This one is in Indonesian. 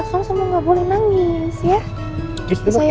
kamu semua nggak boleh nangis ya